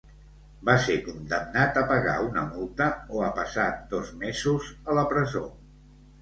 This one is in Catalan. Va ser condemnat a pagar una multa o a passar dos mesos a la presó.